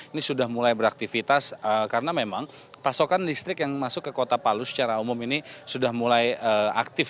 ini sudah mulai beraktivitas karena memang pasokan listrik yang masuk ke kota palu secara umum ini sudah mulai aktif